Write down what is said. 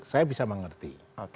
saya bisa mengerti